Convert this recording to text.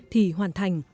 thì hoàn thành